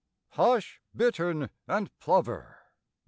Hush, bittern and plover!